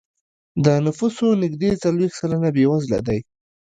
د نفوسو نږدې څلوېښت سلنه بېوزله دی.